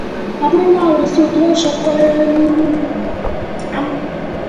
ამბროლაურის დროშის ველი გაყოფილია ჰორიზონტალურად ორ ნაწილად.